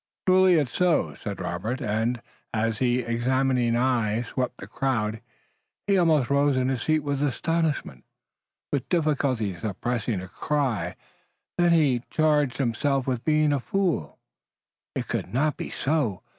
"Truly it's so," said Robert, and, as his examining eye swept the crowd, he almost rose in his seat with astonishment, with difficulty suppressing a cry. Then he charged himself with being a fool. It could not be so!